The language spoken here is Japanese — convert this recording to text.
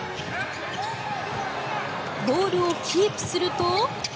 ボールをキープすると。